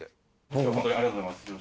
今日はホントにありがとうございます。